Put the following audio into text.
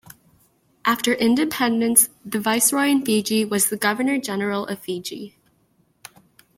After independence, the Viceroy in Fiji was the Governor-General of Fiji.